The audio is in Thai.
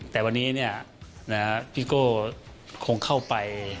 แต่วันนี้พี่โก้คงเข้าไป